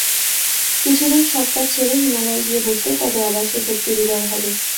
কিছুদিন সব কাজ ছেড়ে হিমালয়ে গিয়ে বসলে তবে আবার সে শক্তির উদয় হবে।